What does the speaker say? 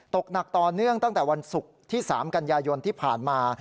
ตกหนักต่อเนื่องตั้งแต่วันศุกร์ที่๓กันยายนที่ผ่านมา